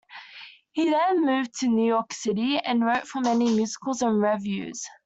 He then moved to New York City and wrote for many musicals and revues.